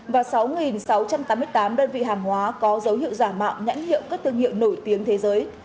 và sáu sáu trăm tám mươi tám đơn vị hàng hóa có dấu hiệu giả mạo nhãn hiệu các thương hiệu nổi tiếng thế giới